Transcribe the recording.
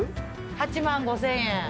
８万５，０００円。